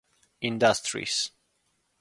Industries.